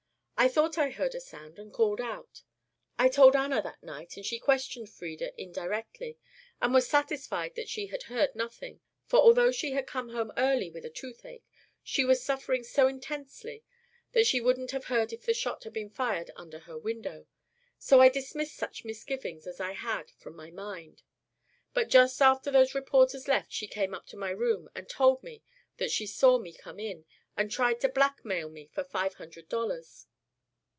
I thought I heard a sound and called out. I told Anna that night and she questioned Frieda indirectly and was satisfied that she had heard nothing, for although she had come home early with a toothache, she was suffering so intensely that she wouldn't have heard if the shot had been fired under her window. So I dismissed such misgivings as I had from my mind. But just after those reporters left she came up to my room and told me that she saw me come in, and tried to blackmail me for five hundred dollars.